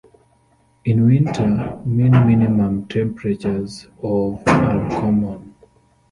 In winter, mean minimum temperatures of are common.